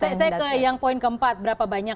saya ke yang poin keempat berapa banyak